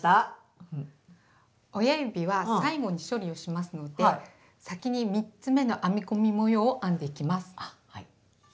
親指は最後に処理をしますので先に３つめの編み込み模様を編んでいきます。